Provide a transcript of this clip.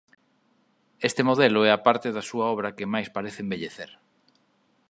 Este modelo é a parte da súa obra que máis parece envellecer.